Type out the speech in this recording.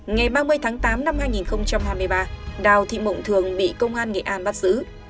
ngày ba mươi tháng tám năm hai nghìn hai mươi ba đào thị mộng thường bị công an nghệ an bắt giữ